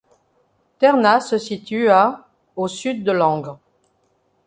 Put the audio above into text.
Ternat se situe à au sud de Langres.